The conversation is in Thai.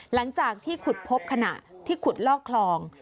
หลังจากที่ขุดพบขณะที่ขุดลอกคลอง